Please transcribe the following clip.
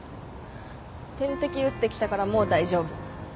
点滴打ってきたからもう大丈夫。